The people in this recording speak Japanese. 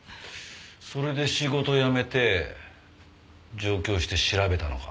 それで仕事辞めて上京して調べたのか。